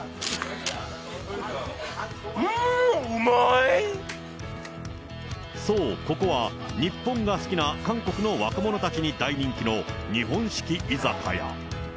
うーん、そう、ここは日本が好きな韓国の若者たちに大人気の日本式居酒屋。